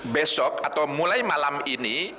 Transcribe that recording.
besok atau mulai malam ini